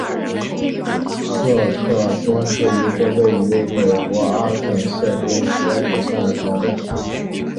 赫克托是一个位于美国阿肯色州波普县的城镇。